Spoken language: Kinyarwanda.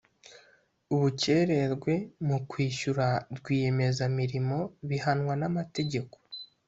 Ubukererwe mu kwishyura Rwiyemezamirimo bihanwa namategeko